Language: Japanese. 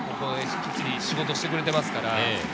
きっちり仕事をしてくれていますから。